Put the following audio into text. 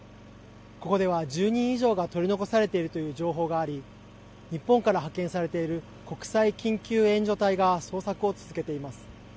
ここでは１０人以上が取り残されているという情報があり日本から派遣されている国際緊急援助隊が捜索を続けています。